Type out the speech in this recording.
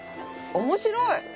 面白い！